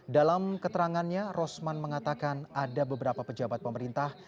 dalam keterangannya rosman mengatakan ada beberapa pejabat pemerintah